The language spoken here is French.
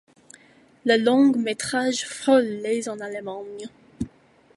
Le long-métrage frôle les en Allemagne.